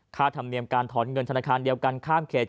ธรรมเนียมการถอนเงินธนาคารเดียวกันข้ามเขต